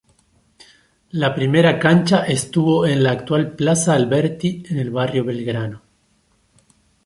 La primera cancha estuvo en la actual "Plaza Alberti", en el barrio de Belgrano.